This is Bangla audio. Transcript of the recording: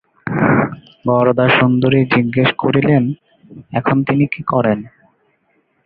বরদাসুন্দরী জিজ্ঞাসা করিলেন, এখন তিনি কী করেন?